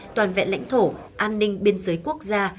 toàn vẹn lãnh thổ an ninh biên giới quốc gia